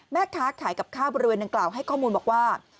แม่ค้าขายกับข้าวบริเวณดังกล่าวให้ข้อมูลบอกว่า